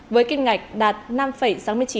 với kinh ngạch đạt năm sáu mươi chín tỷ usd